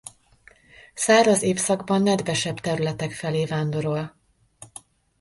Száraz évszakban nedvesebb területek felé vándorol.